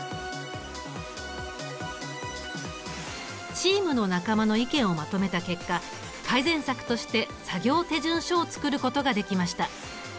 チームの仲間の意見をまとめた結果改善策として作業手順書を作ることができました。